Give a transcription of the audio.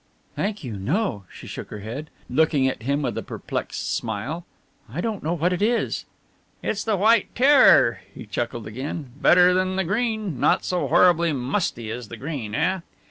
"Thank you, no" she shook her head, looking at him with a perplexed smile "I don't know what it is." "It's the white terror," he chuckled again, "better than the green not so horribly musty as the green, eh?"